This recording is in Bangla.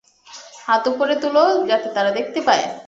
হাত উপরে তোল যাতে তারা দেখতে পায়।